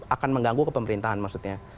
akan mengganggu kepemerintahan maksudnya